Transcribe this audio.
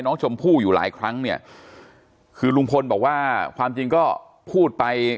น้องชมพู่อยู่หลายครั้งเนี่ยคือลุงพลบอกว่าความจริงก็พูดไป